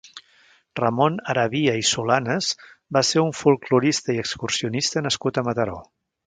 Ramon Arabia i Solanas va ser un folklorista i excursionista nascut a Mataró.